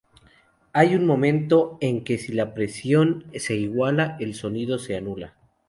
Hay un momento, en que si la presión se iguala, el sonido se anula.